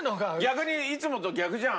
逆にいつもと逆じゃん。